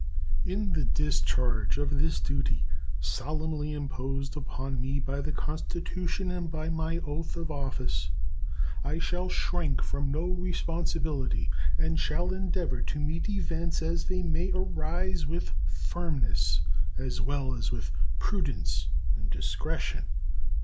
In the discharge of this duty, solemnly imposed upon me by the Constitution and by my oath of office, I shall shrink from no responsibility, and shall endeavor to meet events as they may arise with firmness, as well as with prudence and discretion.